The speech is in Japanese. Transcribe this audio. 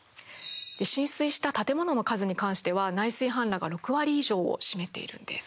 浸水した建物の数に関しては内水氾濫が６割以上を占めているんです。